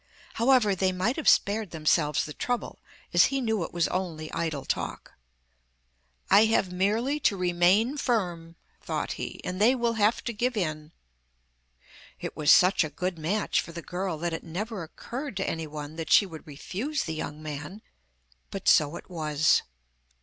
However, they might have spared themselves the trouble, as he knew it was only idle talk. 'I have merely to remain firm,' thought he, 'and they will have to give in.' It was such a good match for the girl that it never occurred to anyone that she would refuse the young man, but so it was.